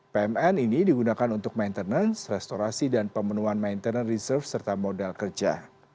pmn ini digunakan untuk maintenance restorasi dan pemenuhan maintenance reserve serta modal kerja